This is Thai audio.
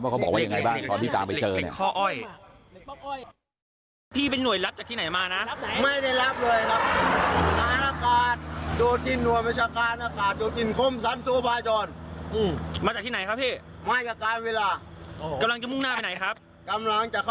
เพราะเขาบอกว่าอย่างไรบ้างพอพี่ตามไปเจอ